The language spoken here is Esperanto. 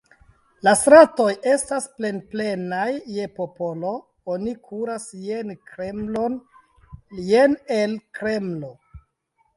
La stratoj estas plenplenaj je popolo, oni kuras jen Kremlon, jen el Kremlo.